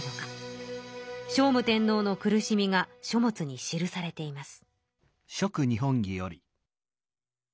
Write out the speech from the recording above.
聖武天皇の苦しみが書物に記されています。